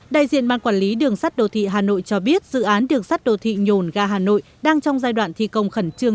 đại diện ban quản lý đường sắt đô thị hà nội cho biết dự án đường sắt đô thị nhồn ga hà nội đang trong giai đoạn thi công khẩn trương